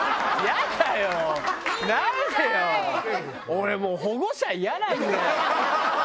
俺もう保護者イヤなんだよ！